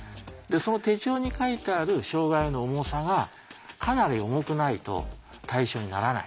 その手帳に書いてある障害の重さがかなり重くないと対象にならない。